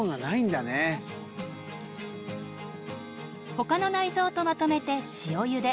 ほかの内臓とまとめて塩ゆで。